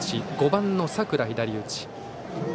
５番の佐倉は左打ち。